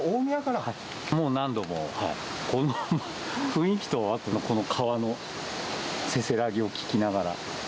もう何度も、この雰囲気と、あとこの川のせせらぎを聞きながら。